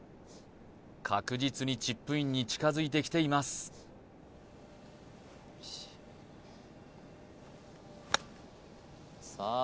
確実にチップインに近づいてきていますさあ